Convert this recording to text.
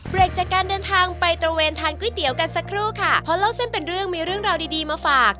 จากการเดินทางไปตระเวนทานก๋วยเตี๋ยวกันสักครู่ค่ะเพราะเล่าเส้นเป็นเรื่องมีเรื่องราวดีดีมาฝาก